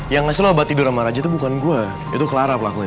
yang national obat tidur sama raja itu bukan gue itu clara pelakunya